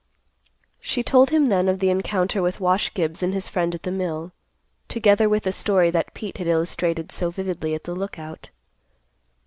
She told him then of the encounter with Wash Gibbs and his friend at the mill, together with the story that Pete had illustrated so vividly at the Lookout.